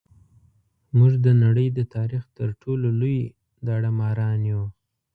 موږ د نړۍ د تاریخ تر ټولو لوی داړه ماران یو.